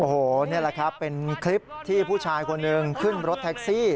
โอ้โหนี่แหละครับเป็นคลิปที่ผู้ชายคนหนึ่งขึ้นรถแท็กซี่